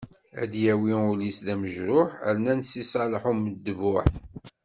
Ad d-yawi ul-is d amejruḥ, rnan Si Ṣaleḥ Umedbuḥ.